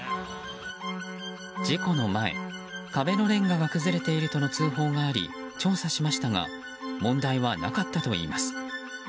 事故の前、壁のれんがが崩れているとの通報があり調査しましたが問題はなかったといいます。